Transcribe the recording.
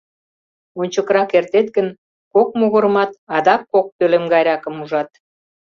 Ончыкрак эртет гын, кок могырымат адак кок пӧлем гайракым ужат.